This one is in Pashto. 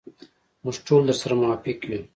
موږ ټول درسره موافق یو.